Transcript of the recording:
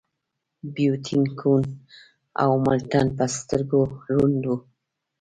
بیتووین کوڼ و او ملټن په سترګو ړوند و